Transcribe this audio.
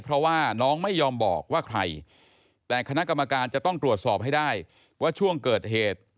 เพราะว่าน้องไม่ยอมบอกว่าใครแต่คณะกรรมการจะต้องตรวจสอบให้ได้ว่าช่วงเกิดเหตุ